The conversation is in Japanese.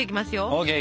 ＯＫ！